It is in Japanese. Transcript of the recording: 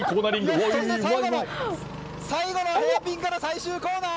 最後のヘアピンから最終コーナー。